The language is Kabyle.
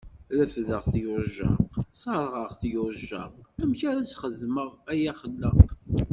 Refdeɣ-t yujjaq, serseɣ-t yujjaq, amek ara sxedmeɣ ay axellaq!